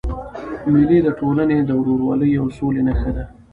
مېلې د ټولني د ورورولۍ او سولي نخښه ده.